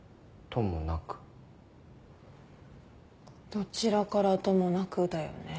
どちらからともなくだよね。